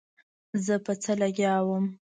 زه په څه لګيا وم.